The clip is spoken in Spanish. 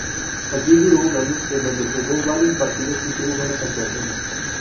Allí duró un año, en donde jugó varios partidos, y tuvo buenas actuaciones.